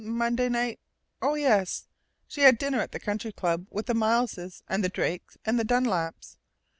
Monday night?... Oh, yes! She had dinner at the Country Club with the Mileses and the Drakes and the Dunlaps.